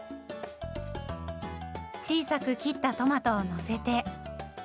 小さく切ったトマトをのせて。